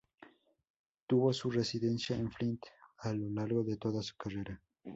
Tuvo su residencia en Flint a lo largo de toda su carrera.